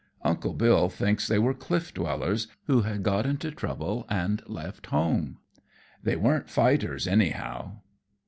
Uncle Bill thinks they were Cliff Dwellers who had got into trouble and left home. They weren't fighters, anyhow.